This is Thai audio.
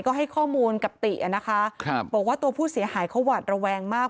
ก็ให้ข้อมูลกับติอะนะคะบอกว่าตัวผู้เสียหายเขาหวัดระแวงมาก